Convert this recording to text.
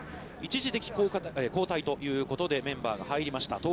一時的交代ということでメンバーが入りました。